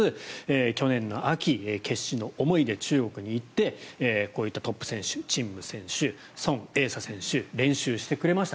去年の秋、決死の思いで中国に行ってこういったトップ選手チン・ム選手、ソン・エイサ選手練習してくれました。